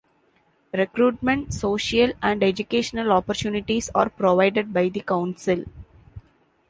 Recruitment, social, and educational opportunities are provided by the council.